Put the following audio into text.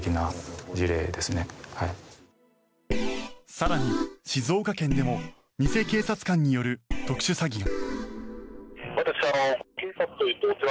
更に静岡県でも偽警察官による特殊詐欺が。